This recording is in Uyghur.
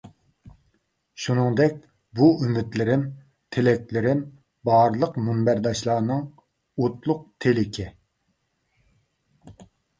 شۇنىڭدەك بۇ ئۈمىدلىرىم، تىلەكلىرىم بارلىق مۇنبەرداشلارنىڭ ئوتلۇق تېلىكى!